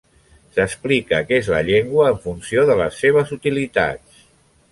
S'explica què és la llengua en funció de les seves utilitats.